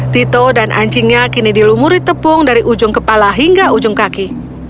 tito dan anjingnya kini dilumuri tepung dari ujung kepala hingga ujung kaki